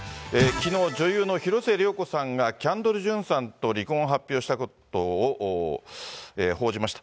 きのう、女優の広末涼子さんがキャンドル・ジュンさんと離婚を発表したことを報じました。